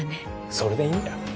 それでいいんだよ